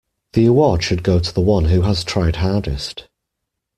The award should go to the one who has tried hardest.